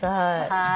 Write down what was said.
はい。